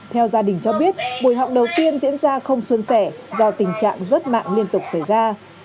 theo gia đình cho biết buổi học đầu tiên diễn ra không xuân sẻ do tình trạng rất mạng liên tục xảy ra